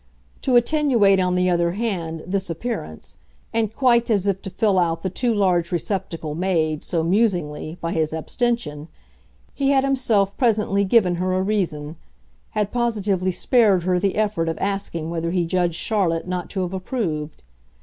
To attenuate, on the other hand, this appearance, and quite as if to fill out the too large receptacle made, so musingly, by his abstention, he had himself presently given her a reason had positively spared her the effort of asking whether he judged Charlotte not to have approved.